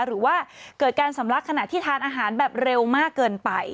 หรือว่าเกิดการสำลักขณะที่ทานอาหารแบบเร็วมากเกินไป